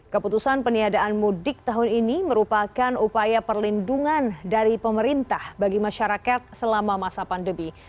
keputusan peniadaan mudik tahun ini merupakan upaya perlindungan dari pemerintah bagi masyarakat selama masa pandemi